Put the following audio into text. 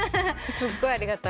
すごいありがたい。